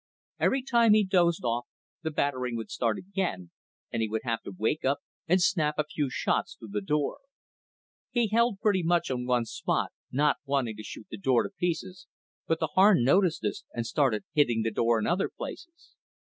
Every time he dozed off the battering would start again, and he would have to wake up and snap a few shots through the door. He held pretty much on one spot, not wanting to shoot the door to pieces, but the Harn noticed this, and started hitting the door in other places.